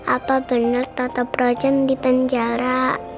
apa bener toto brodjan di penjara